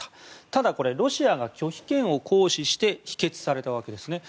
ただ、ロシアが拒否権を行使して否決されたわけですね。